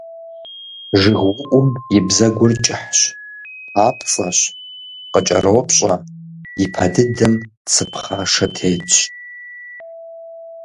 ЖыгыуӀум и бзэгур кӀыхыц, папцӀэщ, къыкӀэропщӀэ, и пэ дыдэм цы пхъашэ тетщ.